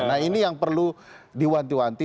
nah ini yang perlu diwanti wanti